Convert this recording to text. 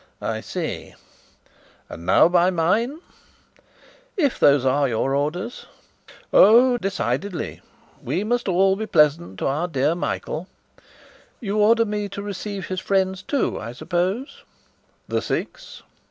"I see. And now by mine?" "If those are your orders." "Oh, decidedly! We must all be pleasant to our dear Michael." "You order me to receive his friends, too, I suppose?" "The Six?"